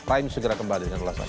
prime news segera kembali dengan ulasan